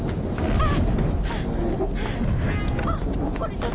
あっ！